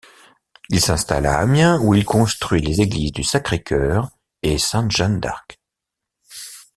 Il s’installe à Amiens ou il construit les églises du Sacré-Cœur et Sainte-Jeanne d’Arc.